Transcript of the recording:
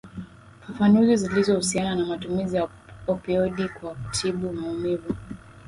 Fafanuzi Zilizohusiana na Matumizi ya Opioidi kwa kutibu maumivu